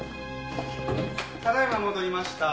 ただ今戻りました。